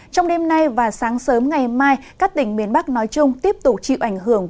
trong đêm nay và sáng sớm ngày mai các tỉnh miền bắc nói chung tiếp tục chịu ảnh hưởng